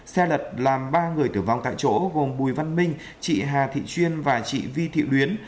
xe lật làm ba người tử vong tại chỗ gồm bùi văn minh chị hà thị chuyên và chị vi thị luyến